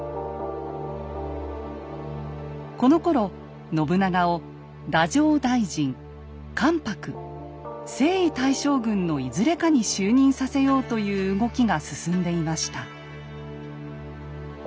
このころ信長を「太政大臣」「関白」「征夷大将軍」のいずれかに就任させようという動きが進んでいました。